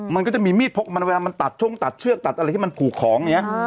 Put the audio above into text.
มันก็จะมีมีดพกมันเวลามันตัดช่วงตัดเชือกตัดอะไรที่มันผูกของอย่างนี้